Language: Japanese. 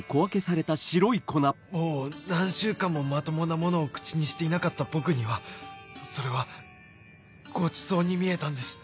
もう何週間もまともなものを口にしていなかった僕にはそれはごちそうに見えたんです